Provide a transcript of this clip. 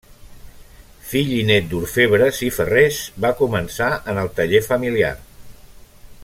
Fill i nét d'orfebres i ferrers va començar en el taller familiar.